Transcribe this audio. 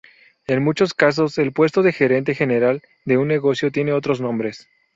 En muchos casos, el puesto de gerente general de un negocio tiene otros nombres.